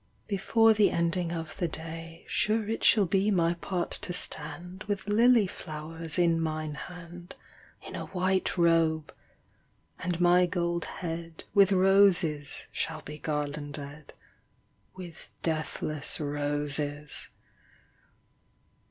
Before the ending of the day Sure it shall be my part to stand With lily flowers in mine hand, In a white robe, — and my gold head With roses shall be garlanded; — With deathless roses.